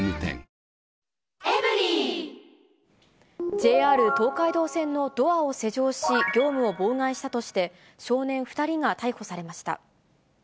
ＪＲ東海道線のドアを施錠し、業務を妨害したとして、少年２人が逮捕されました。